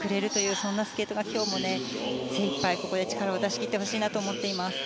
そんなスケートが今日も精いっぱいここで力を出し切ってほしいなと思っています。